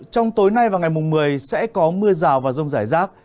trong tối nay và ngày mùng một mươi sẽ có mưa rào và rông rải rác